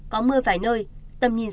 có mưa vài nơi tầm nhìn